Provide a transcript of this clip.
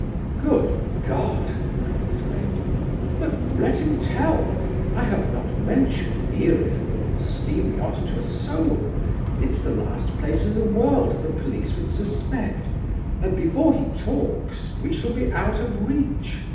"Good God!" I exclaimed; "but let him tell. I have not mentioned Erith or the steam yacht to a soul. It's the last place in the world the police would suspect and before he talks we shall be out of reach.